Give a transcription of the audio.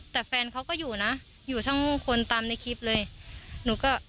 แต่แฟนเขาก็อยู่นะอยู่ทั้งคนตามในคลิปเลยหนูก็